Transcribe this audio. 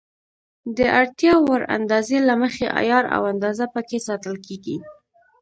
د اړتیا وړ اندازې له مخې عیار او اندازه پکې ساتل کېږي.